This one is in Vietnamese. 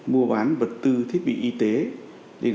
mua bán vật tư thiết bị y tế